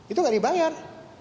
itu gak dibayar